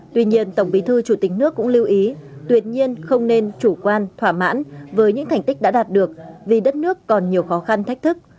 tuy nhiên tổng bí thư chủ tịch nước cũng lưu ý tuyệt nhiên không nên chủ quan thỏa mãn với những thành tích đã đạt được vì đất nước còn nhiều khó khăn thách thức